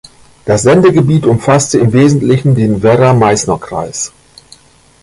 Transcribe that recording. Das Sendegebiet umfasste im Wesentlichen den Werra-Meißner-Kreis.